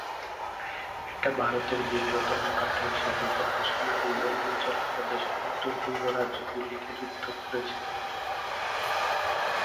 এটা ভারতের দীর্ঘতম কাঠের সেতু যা আসাম এবং অরুণাচল প্রদেশের উত্তর-পূর্ব রাজ্যগুলিকে যুক্ত করেছে।